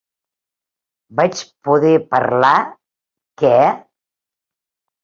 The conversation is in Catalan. Vaig poder parlar: "Què?"